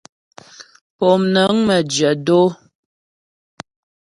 Pómnəŋ məjyə̂ dó.